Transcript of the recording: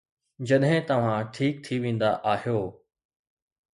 جڏهن توهان ٺيڪ ٿي ويندا آهيو.